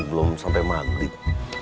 belum sampe maghrib